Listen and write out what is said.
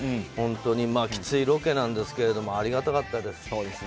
本当にきついロケなんですけどありがたかったです。